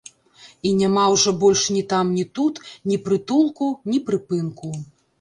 І няма ўжо больш ні там ні тут ні прытулку, ні прыпынку.